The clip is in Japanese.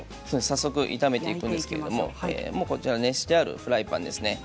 早速炒めていくんですけれどももうこちら熱してあるフライパンですね。